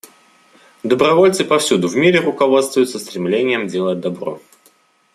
Добровольцы повсюду в мире руководствуются стремлением делать добро.